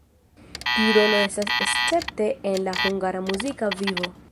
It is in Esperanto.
Tiu rolo estas escepte en la hungara muzika vivo.